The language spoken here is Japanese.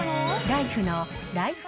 ライフのライフ